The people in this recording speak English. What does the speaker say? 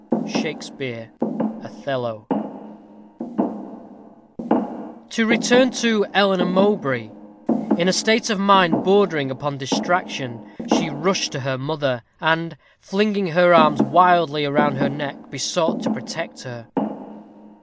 SHAKSPEARE: Othello. To return to Eleanor Mowbray. In a state of mind bordering upon distraction, she rushed to her mother, and, flinging her arms wildly round her neck, besought her to protect her.